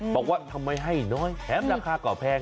บอกว่าทำไมให้น้อยแถมราคาก่อแพง